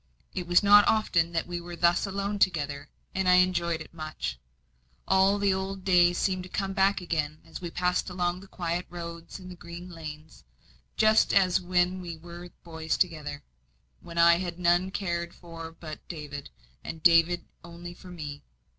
It was not often that we were thus alone together, and I enjoyed it much. All the old days seemed to come back again as we passed along the quiet roads and green lanes, just as when we were boys together, when I had none I cared for but David, and David cared only for me.